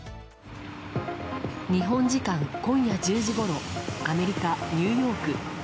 日本時間今夜１０時ごろアメリカ・ニューヨーク。